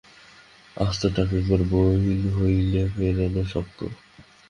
আস্ত টাকা একবার বাহিল হইলে ফেরানো শক্ত।